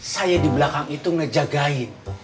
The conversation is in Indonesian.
saya di belakang itu ngejagain